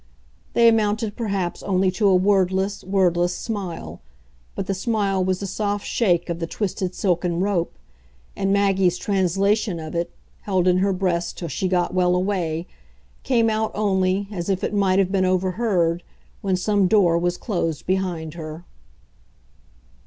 They amounted perhaps only to a wordless, wordless smile, but the smile was the soft shake of the twisted silken rope, and Maggie's translation of it, held in her breast till she got well away, came out only, as if it might have been overheard, when some door was closed behind her.